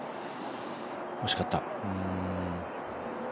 惜しかった。